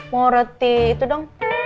mau roti itu dong